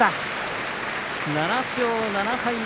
７勝７敗。